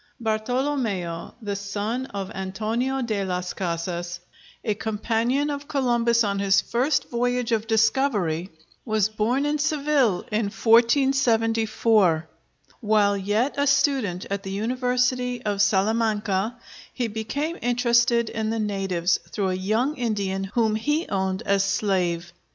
Bartolomeo, the son of Antonio de las Casas, a companion of Columbus on his first voyage of discovery, was born in Seville in 1474. While yet a student at the University of Salamanca he became interested in the natives, through a young Indian whom he owned as slave.